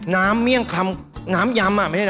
น้ำเมี่ยงคำ